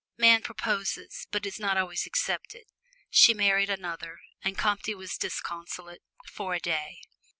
Man proposes, but is not always accepted. She married another, and Comte was disconsolate for a day.